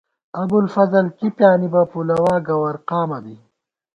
ابُوالفضل کی پیانِبہ ، پُلَوا گوَر قامہ بی